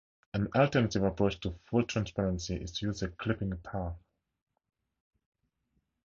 An alternative approach to full transparency is to use a Clipping path.